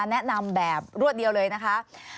แนะนำแบบรวดเดียวเลยนะคะ